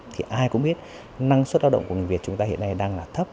thì ai cũng biết năng suất lao động của người việt chúng ta hiện nay đang là thấp